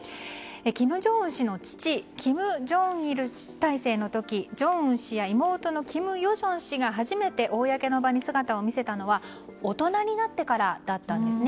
金正恩氏の父・金正日体制の時正恩氏や妹の金与正氏が初めて公の場に姿を見せたのは大人になってからだったんです。